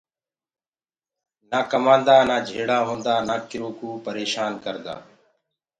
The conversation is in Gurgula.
نآ ڪمآندآ نآ جھيڙآ هوندآ نآ ڪروڪوُ پريشآن ڪردآ